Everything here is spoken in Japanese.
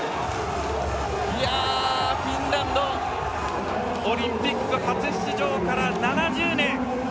フィンランドオリンピック初出場から７０年